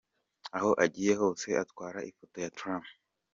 Aho agiye hose atwara ifoto ya Trump.